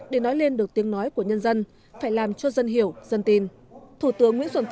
để nói lên được tiếng nói của nhân dân phải làm cho dân hiểu dân tin